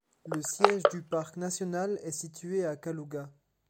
Le siège du parc national est situé à Kalouga.